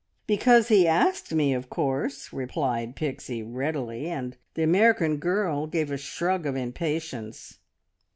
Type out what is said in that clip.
"Because he asked me, of course!" replied Pixie readily, and the American girl gave a shrug of impatience.